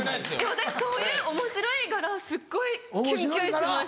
私そういうおもしろいからすっごいキュンキュンしました。